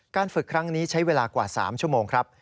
ฝึกครั้งนี้ใช้เวลากว่า๓ชั่วโมงครับ